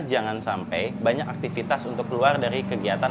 jangan sampai banyak aktivitas untuk keluar dari kegiatan